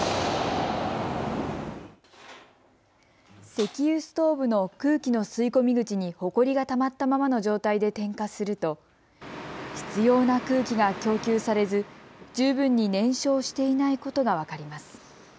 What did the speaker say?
石油ストーブの空気の吸い込み口にほこりがたまったままの状態で点火すると必要な空気が供給されず十分に燃焼していないことが分かります。